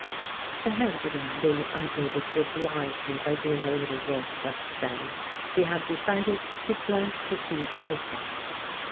The handy man being unable to "oblige" me by doing a little work just then, she had decided to plant the seeds herself.